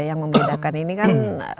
yang membedakan ini kan